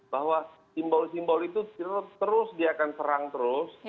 bahwa simbol simbol itu terus dia akan serang terus